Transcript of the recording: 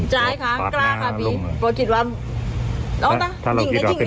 ใช่ค่ะกล้าค่ะพี่ลุงพอคิดว่าอ๋อต้ะถ้าเราคิดว่า